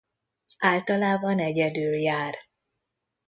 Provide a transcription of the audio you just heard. Általában egyedül jár.